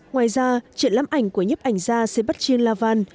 ngoài ra triển lãm ảnh của nhấp ảnh gia sebastian laval